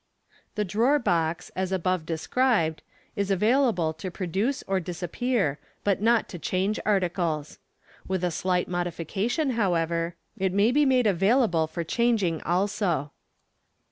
The drawer box, as above described, is available to produce or dis 346 MODERN MAGIC. appear, but not to change articles. With a slight modification, how ever, it may be made available for changing also.